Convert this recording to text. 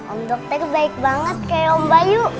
om dokter baik banget kayak om bayu